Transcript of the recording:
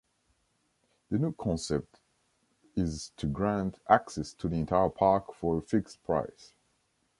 The new concept is to grant access to the entire park for a fixed price.